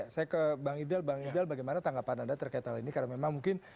saya ke bang ida bang iqbal bagaimana tanggapan anda terkait hal ini karena memang mungkin